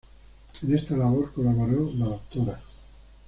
En esta labor colaboró la Dra.